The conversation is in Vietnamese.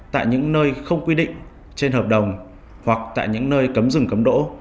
tại những nơi không quy định trên hợp đồng hoặc tại những nơi cấm rừng cấm đỗ